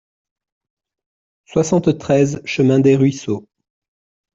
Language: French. soixante-treize chemin Desruisseaux